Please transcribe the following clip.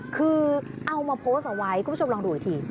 คือเอามาโพสต์เอาไว้คุณผู้ชมลองดูอีกที